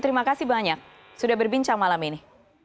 terima kasih banyak sudah berbincang malam ini